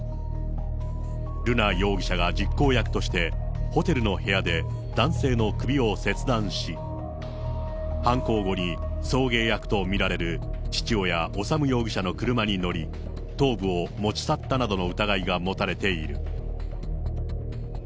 瑠奈容疑者が実行役としてホテルの部屋で男性の首を切断し、犯行後に、送迎役と見られる父親、修容疑者の車に乗り、頭部を持ち去ったなどの疑いが持たれている。